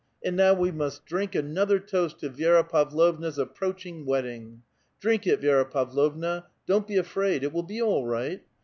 And now we must drink another toast to Vi^ra Pavlovna's approaching wedding. Drink it, Vi^ra Pav lovna ; don't be afraid ! it will be all right.